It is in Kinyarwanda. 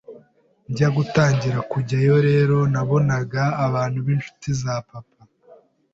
Njya gutangira kujyayo rero nabonaga abantu b’inshuti za papa